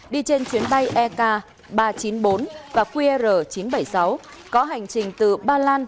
đi trên chuyến bay ek ba trăm chín mươi bốn và qr chín trăm bảy mươi sáu có hành trình từ ba lan